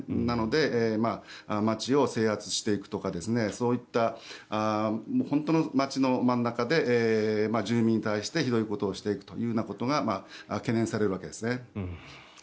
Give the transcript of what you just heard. なので、街を制圧していくとかそういった本当の街の真ん中で住民に対してひどいことをしていくというのが懸念されるわけですね。